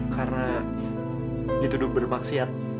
karena dituduh bermaksiat